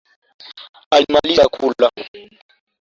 Alimaliza kula